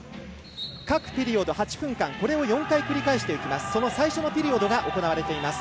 各ピリオド８分間これを４回繰り返していきます。